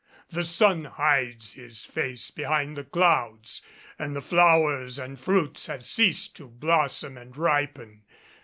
The sun hides his face behind the clouds, and the flowers and fruits have ceased to blossom and to ripen.